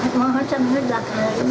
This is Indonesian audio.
semoga selama dua kali